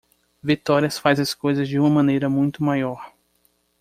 Victoria faz as coisas de uma maneira muito maior.